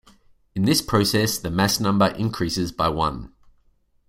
In this process, the mass number increases by one.